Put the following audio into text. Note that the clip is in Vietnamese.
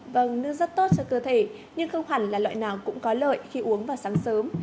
vâng nước rất tốt cho cơ thể nhưng không hẳn là loại nào cũng có lợi khi uống vào sáng sớm